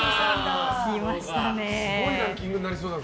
すごいランキングになりそうだ。